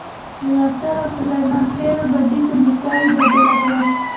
د ناصرو او سلیمان خېلو بدۍ په نیکۍ بدله شوه.